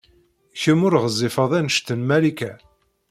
Kemm ur ɣezzifed anect n Malika.